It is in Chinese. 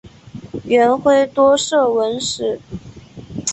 元晖多涉文史。